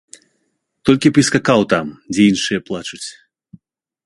Толькі б і скакаў там, дзе іншыя плачуць.